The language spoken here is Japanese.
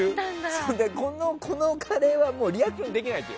それでこのカレーはもうリアクションできないって。